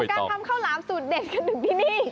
มาดูการทำข้าวหลามสูตรเด็ดขนาดต้งคืนนี้